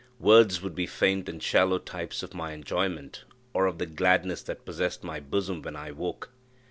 Words would be faint and shallow types of my enjoyment, or of the gladness that possessed my bosom when I woke.